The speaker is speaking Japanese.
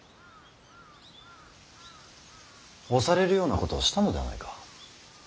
押されるようなことをしたのではないか。